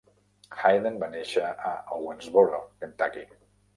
Hayden va néixer a Owensboro, Kentucky.